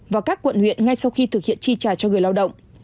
và các quận huyện ngay sau khi thực hiện chi trả cho người lao động